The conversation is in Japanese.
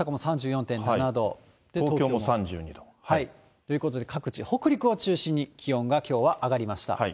東京も３２度。ということで、各地、北陸を中心に、気温がきょうは上がりました。